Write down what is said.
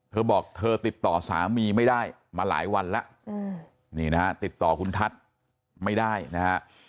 เธอบอกเธอติดต่อสามีไม่ได้มาหลายวันแล้วนี่นะฮะติดต่อคุณทัศน์ไม่ได้นะฮะ